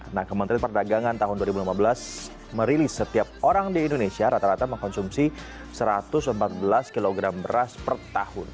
nah kementerian perdagangan tahun dua ribu lima belas merilis setiap orang di indonesia rata rata mengkonsumsi satu ratus empat belas kg beras per tahun